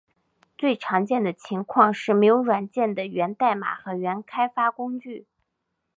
最常见的情况是没有软件的源代码和原开发工具。